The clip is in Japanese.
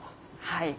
はい。